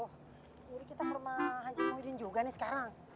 nyeri kita ke rumah hancur muhyiddin juga nih sekarang